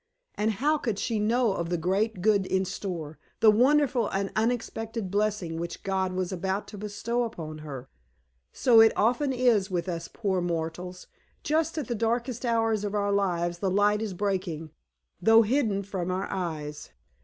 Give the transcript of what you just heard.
And how could she know of the great good in store, the wonderful and unexpected blessing which God was about to bestow upon her? So it often is with us poor mortals. Just at the darkest hours of our lives the light is breaking, though hidden from our eyes.